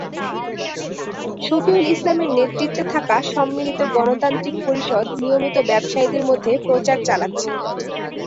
শফিউল ইসলামের নেতৃত্বে থাকা সম্মিলিত গণতান্ত্রিক পরিষদ নিয়মিত ব্যবসায়ীদের মধ্যে প্রচার চালাচ্ছে।